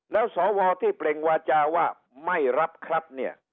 แล้วสวที่เปล่งวาจาว่าไม่รับครับเนี่ย